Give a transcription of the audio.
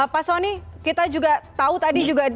pak soni kita juga tahu tadi juga